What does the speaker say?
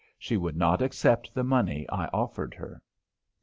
She would not accept the money I offered her.